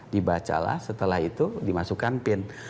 dibacalah setelah itu dimasukkan pin